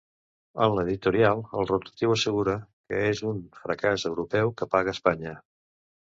En l’editorial, el rotatiu assegura que és un fracàs europeu que paga Espanya.